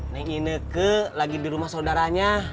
neng ineke lagi di rumah saudaranya